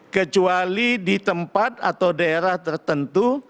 kecuali di tempat atau daerah tertentu